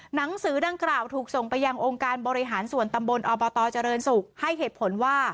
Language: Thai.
หนังสือดังกล่าวถูกส่งไปยังองค์การบริหารส่วนตำบลอบตเจริญศุกร์ให้เหตุผลว่า